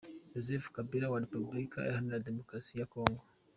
Joseph Kabila wa Repubulika iharanira Demokarasi ya Congo